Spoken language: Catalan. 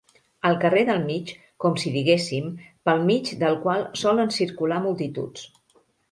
El carrer del mig, com si diguéssim, pel mig del qual solen circular multituds.